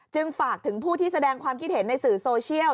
ฝากถึงผู้ที่แสดงความคิดเห็นในสื่อโซเชียล